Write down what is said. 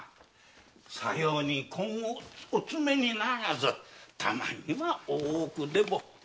さように根をお詰めにならずたまには大奥でも。